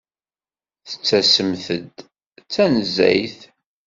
Tettasemt-d tanezzayt.